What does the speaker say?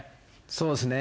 そうですね。